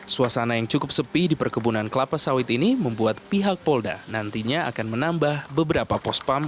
suasana yang cukup sepi di perkebunan kelapa sawit ini membuat pihak polda nantinya akan menambah beberapa pospam